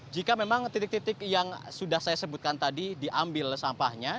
jika memang titik titik yang sudah saya sebutkan tadi diambil sampahnya